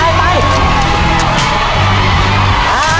แต่ยังยันหรี่กี่จานลูก